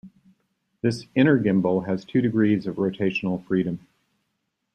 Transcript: This inner gimbal has two degrees of rotational freedom.